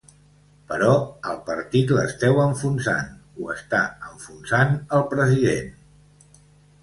Però al partit l’esteu enfonsant, ho està enfonsant el president.